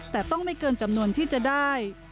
แต่ต้องไม่เกินจำนวนที่จะได้